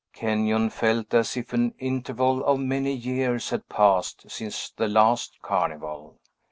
Kenyon felt as if an interval of many years had passed since the last Carnival.